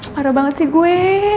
parah banget sih gue